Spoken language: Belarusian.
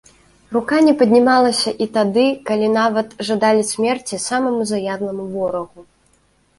Рука не паднімалася і тады, калі нават жадалі смерці самаму заядламу ворагу.